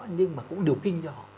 nhưng mà cũng điều kinh cho họ